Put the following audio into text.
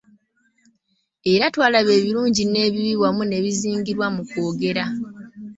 Era twalaba ebirungi n'ebibi wamu n'ebizingirwa mu kwogera.